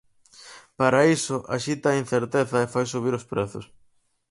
Para iso, axita a incerteza e fai subir os prezos.